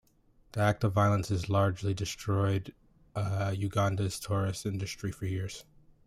The act of violence largely destroyed Uganda's tourist industry for years.